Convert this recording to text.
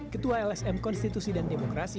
ketua lsm konstitusi dan demokrasi